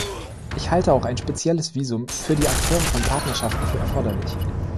Ich halte auch ein spezielles Visum für die Akteure von Partnerschaften für erforderlich.